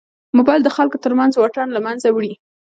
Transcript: موبایل د خلکو تر منځ واټن له منځه وړي.